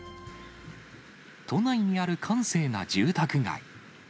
都内にある閑静な住宅街。